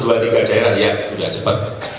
ada satu dua tiga daerah ya sudah cepat